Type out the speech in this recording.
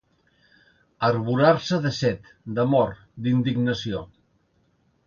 Arborar-se de set, d'amor, d'indignació.